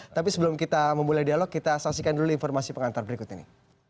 tapi sebelum kita memulai dialog kita saksikan dulu informasi pengantar berikut ini